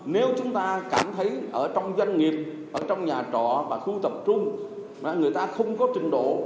nếu chúng ta cảm thấy ở trong doanh nghiệp ở trong nhà trọ và khu tập trung người ta không có trình độ